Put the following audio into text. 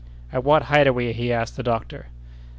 "At what height are we?" he asked the doctor.